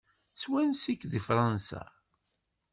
Seg wansi-k deg Fransa?